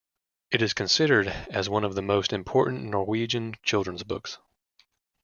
It is considered as one of the most important Norwegian children's books.